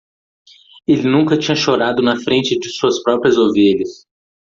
Ele nunca tinha chorado na frente de suas próprias ovelhas.